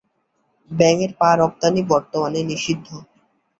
ব্যাঙের পা রপ্তানি বর্তমানে নিষিদ্ধ।